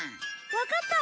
わかった！